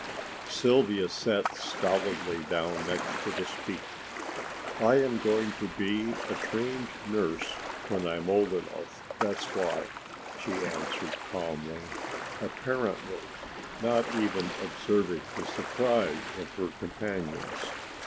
Sylvia sat stolidly down next the speaker. "I am going to be a trained nurse when I am old enough, that's why," she answered calmly, apparently not even observing the surprise of her companions.